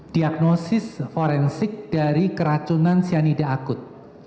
diagnosis forensic dari keracunan cyanide akut